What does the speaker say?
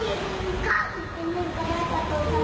อืมเขาก็ต้องถึงมือเนี้ยวขีดโต